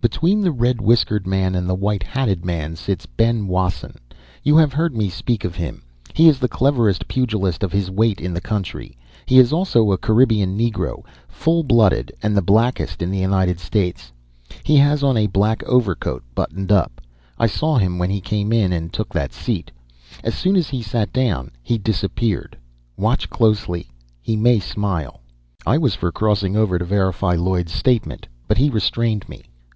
"Between the red whiskered man and the white hatted man sits Ben Wasson. You have heard me speak of him. He is the cleverest pugilist of his weight in the country. He is also a Caribbean negro, full blooded, and the blackest in the United States. He has on a black overcoat buttoned up. I saw him when he came in and took that seat. As soon as he sat down he disappeared. Watch closely; he may smile." I was for crossing over to verify Lloyd's statement, but he restrained me.